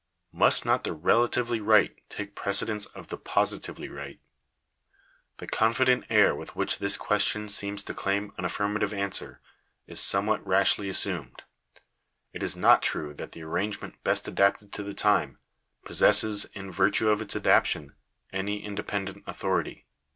— must not the relatively right take precedence of the positively right ? The confident air with which this question seems to claim an affirmative answer is somewhat rashly assumed. It is not true that the arrangement best adapted to the time, possesses, in vir tue of its adaptation, any independent authority.